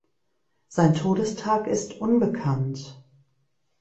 Sein Todestag ist unbekannt.